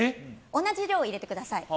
同じ量入れてください。